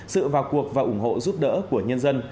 sự vào cuộc và ủng hộ giúp đỡ của nhân dân